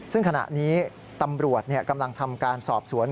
ซึ่งขณะนี้ตำรวจกำลังทำการสอบสวน